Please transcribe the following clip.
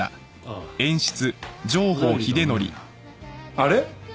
あれ？